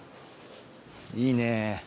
いいね。